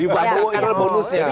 dibacakkan dari bonus ya